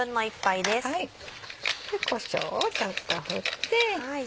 こしょうをちょっと振って。